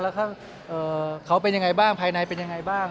และละครับเขาอยากไปเช็คอย่างไงบ้างภายในอย่างไงบ้าง